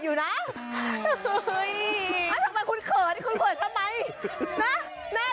อยากเห็นแน่คุณชะเจ๊พอไปดูแน่